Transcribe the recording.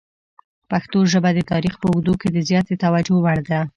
پښتو ژبه د تاریخ په اوږدو کې د زیاتې توجه وړ ده.